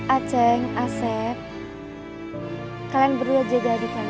a ceng a seh kalian berdua jaga adik kalian ya